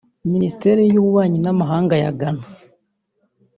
Minisitiri w’Ububanyi n’Amahanga wa Ghana